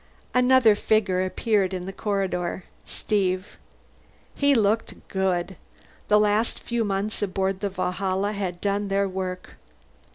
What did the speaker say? Another figure appeared in the corridor. Steve. He looked good; the last few months aboard the Valhalla had done their work.